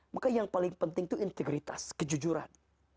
maka yang paling penting itu integritas kejujuran